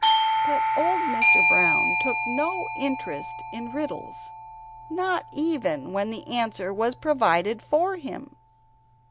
"' But old Mr. Brown took no interest in riddles not even when the answer was provided for him.